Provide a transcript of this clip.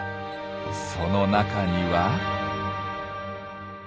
その中には？